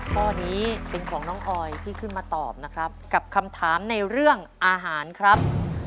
ข้อนี้เป็นของน้องออยที่ขึ้นมาตอบนะครับ